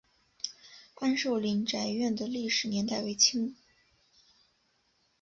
安寿林宅院的历史年代为清。